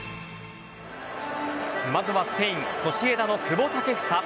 まずはスペインソシエダの久保建英。